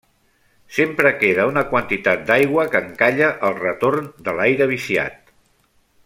Sempre queda una quantitat d'aigua que encalla el retorn de l'aire viciat.